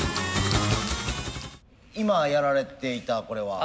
今やられていたこれは？